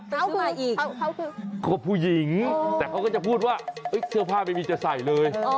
เข้ามาอีกก็ผู้หญิงแต่เขาก็จะพูดว่าเสื้อผ้าไม่มีจะใส่เลย